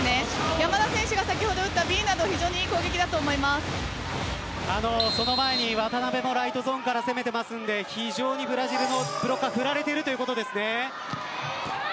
山田選手が先ほど打ったＢクイックはその前に渡邊もライトゾーンから攻めているので非常にブラジルのブロックが振られているということです。